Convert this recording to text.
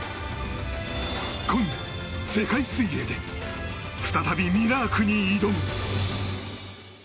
今夜、世界水泳で再びミラークに挑む。